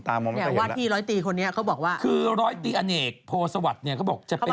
วาดที่ร้อยตรีอเหนกเขาบอกว่า